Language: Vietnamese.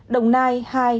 hai đồng nai